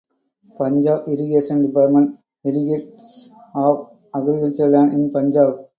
Punjab Irrigation Department irrigates of agricultural land in Punjab.